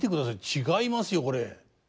違いますよこれ。